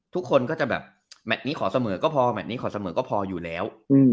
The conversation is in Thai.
ทุกคนก็จะแบบแมทนี้ขอเสมอก็พอแมทนี้ขอเสมอก็พออยู่แล้ว